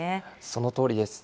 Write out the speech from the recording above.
そのとおりです。